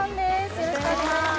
よろしくお願いします